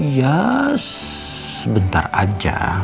ya sebentar aja